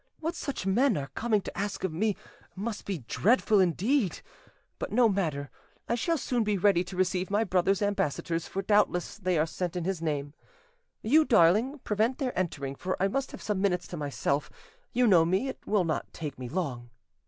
What such men are coming to ask of me must be dreadful indeed. But no matter, I shall soon be ready to receive my brother's ambassadors, for doubtless they are sent in his name. You, darling, prevent their entering, for I must have some minutes to myself: you know me; it will not take me long."